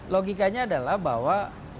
logikanya adalah bahwa